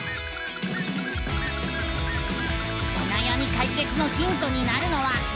おなやみかいけつのヒントになるのは。